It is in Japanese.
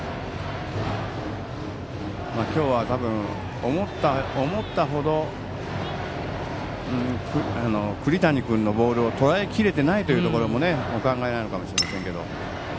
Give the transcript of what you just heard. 今日は思った程栗谷君のボールをとらえきれてないというお考えかもしれませんけども。